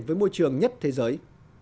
với môi trường nhất thế giới